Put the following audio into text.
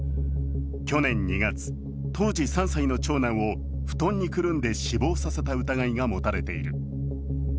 去年２月、当時３歳の長男を布団にくるんで死亡させた疑いが持たれている。